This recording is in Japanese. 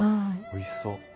おいしそう。